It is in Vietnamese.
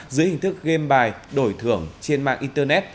dưới hình thức game bài đổi thưởng trên mạng internet